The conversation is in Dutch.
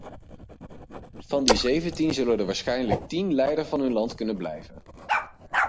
Van die zeventien zullen er waarschijnlijk tien leider van hun land kunnen blijven.